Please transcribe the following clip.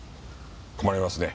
困りますね。